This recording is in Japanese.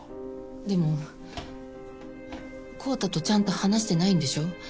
でも昂太とちゃんと話してないんでしょ？